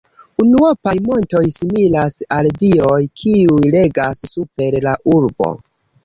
Unuopaj montoj similas al dioj, kiuj regas super la urbo.